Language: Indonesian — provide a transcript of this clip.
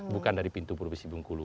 bukan dari pintu provinsi bengkulu